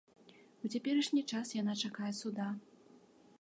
У цяперашні час яна чакае суда.